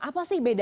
apa sih bedanya